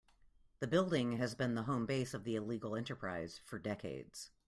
The building has been the home base of the illegal enterprise for decades.